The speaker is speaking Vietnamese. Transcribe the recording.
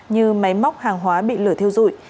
như máy móc hàng hóa bị lửa thiêu dụi